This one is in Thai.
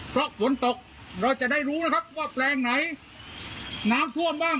เพราะฝนตกเราจะได้รู้นะครับว่าแปลงไหนน้ำท่วมบ้าง